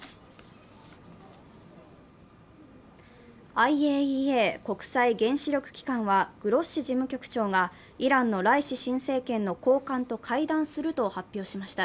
ＩＡＥＡ＝国際原子力機関は、グロッシ事務局長がイランのライシ新政権の高官と会談すると発表しました。